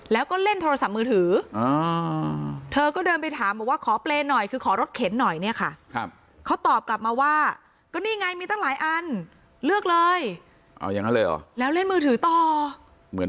แล้วก็เล่นโทรศัพท์มือถือ